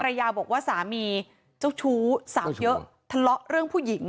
ยาบอกว่าสามีเจ้าชู้สาวเยอะทะเลาะเรื่องผู้หญิง